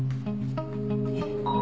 えっ？